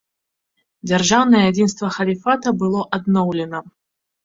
Дзяржаўнае адзінства халіфата было адноўлена.